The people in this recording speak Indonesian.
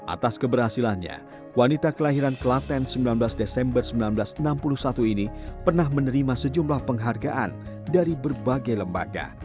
atas keberhasilannya wanita kelahiran klaten sembilan belas desember seribu sembilan ratus enam puluh satu ini pernah menerima sejumlah penghargaan dari berbagai lembaga